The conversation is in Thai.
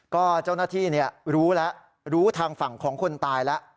ก็เจ้าหน้าที่รู้แล้วรู้ทางฝั่งของคนตายแล้ว